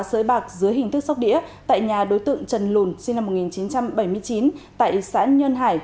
sới bạc dưới hình thức sóc đĩa tại nhà đối tượng trần lùn sinh năm một nghìn chín trăm bảy mươi chín tại xã nhơn hải